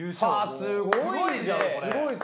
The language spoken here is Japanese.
すごいじゃんこれ！